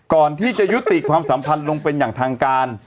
ก่อนที่จะยุติความสัมพันธ์ลงเป็นอย่างทางการ